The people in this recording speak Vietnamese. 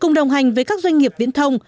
cùng đồng hành với các doanh nghiệp viễn thông